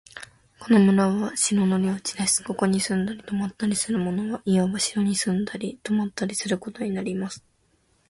この村は城の領地です。ここに住んだり泊ったりする者は、いわば城に住んだり泊ったりすることになります。